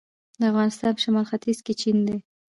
د افغانستان په شمال ختیځ کې چین دی